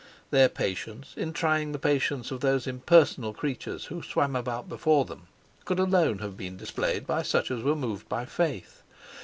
Their patience in trying the patience of those impersonal creatures who swam about before them could alone have been displayed by such as were moved by faith.